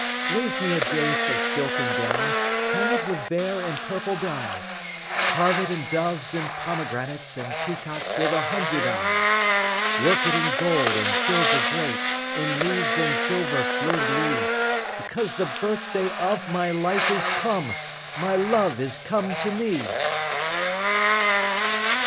Raise me a daïs of silk and down; Hang it with vair and purple dyes; 10 Carve it in doves and pomegranates, And peacocks with a hundred eyes; Work it in gold and silver grapes, In leaves and silver fleurs de lys; Because the birthday of my life 15 Is come, my love is come to me.